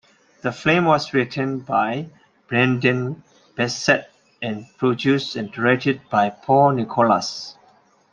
The film was written by Brendan Beseth, and produced and directed by Paul Nicolas.